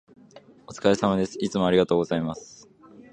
お疲れ様です。いつもありがとうございます。